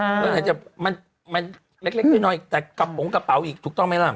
แล้วอันแต่จะมันเล็กหน่อยแต่กระโปรงกระเบาอีกถูกต้องมั้ยล่ะ